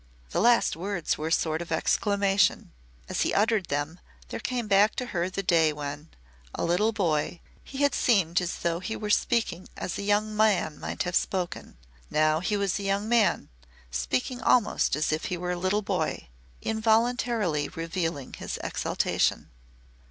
The last words were a sort of exclamation. As he uttered them, there came back to her the day when a little boy he had seemed as though he were speaking as a young man might have spoken. Now he was a young man, speaking almost as if he were a little boy involuntarily revealing his exaltation.